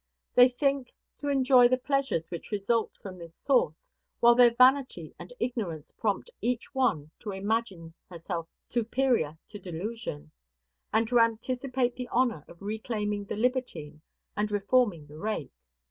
They think to enjoy the pleasures which result from this source, while their vanity and ignorance prompt each one to imagine herself superior to delusion, and to anticipate the honor of reclaiming the libertine and reforming the rake.